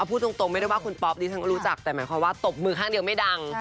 พูดตรงไม่ได้ว่าคุณป๊อปดิฉันก็รู้จักแต่หมายความว่าตบมือข้างเดียวไม่ดัง